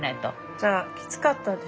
じゃあきつかったでしょ？